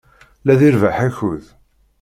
La d-irebbeḥ akud.